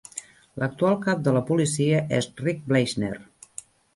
L'actual cap de la policia és Rick Bleichner.